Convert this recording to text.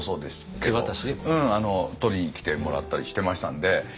取りに来てもらったりしてましたんで。